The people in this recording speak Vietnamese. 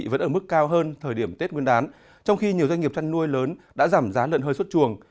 vẫn ở mức cao hơn thời điểm tết nguyên đán trong khi nhiều doanh nghiệp chăn nuôi lớn đã giảm giá lợn hơi xuất chuồng